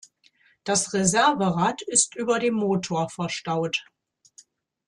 Das Reserverad ist über dem Motor verstaut.